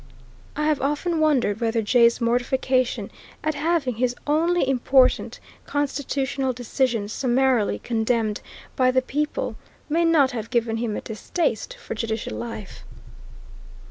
I have often wondered whether Jay's mortification at having his only important constitutional decision summarily condemned by the people may not have given him a distaste for judicial life.